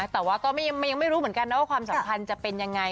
แต่ว่าก็ยังไม่รู้เหมือนกันนะว่าความสัมพันธ์จะเป็นยังไง